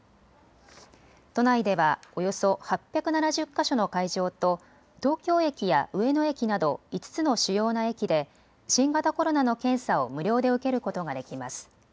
都内では、およそ８７０か所の会場と東京駅や上野駅など５つの主要な駅で新型コロナの検査を無料で受けることができます。